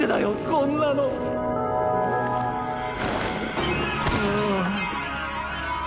こんなの！ふぁあ。